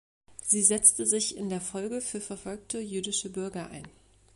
Sie setzte sich in der Folge für verfolgte jüdische Bürger ein.